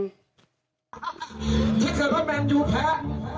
ที่เคยว่าแมนยูแพ้